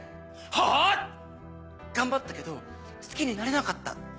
はぁ⁉「頑張ったけど好きになれなかった」。